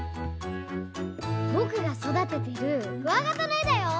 ぼくがそだててるクワガタのえだよ！